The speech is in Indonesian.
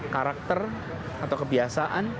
karakter atau kebiasaan